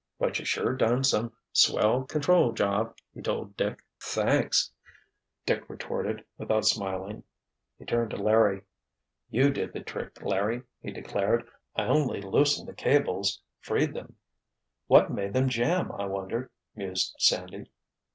"But you sure done some swell control job," he told Dick. "Thanks," Dick retorted, without smiling. He turned to Larry. "You did the trick, Larry," he declared. "I only loosened the cables—freed them——" "What made them jam, I wonder?" mused Sandy.